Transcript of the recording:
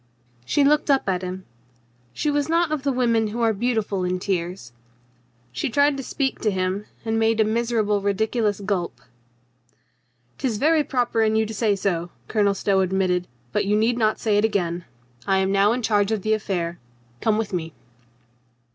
She looked up at him. She was not of the women who are beautiful in tears. She tried to speak to him, and made a miserable ridiculous gulp. " 'Tis very proper in you to say so," Colonel Stow admitted. "But you need not say it again. I am now in charge of the affair. Come with me."